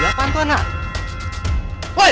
bagi apaan tuh anak kecil